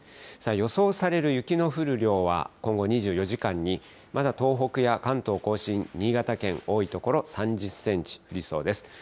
さあ、予想される雪の降る量は、今後２４時間にまだ東北や関東甲信、新潟県、多い所３０センチ降りそうです。